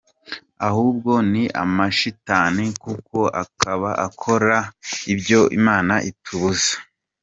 Ahubwo ni amashitani kuko baba bakora ibyo imana itubuza.